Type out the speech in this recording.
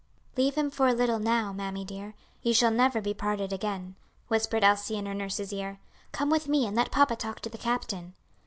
"Leave him for a little now, mammy dear; you shall never be parted again," whispered Elsie in her nurse's ear. "Come with me, and let papa talk to the captain."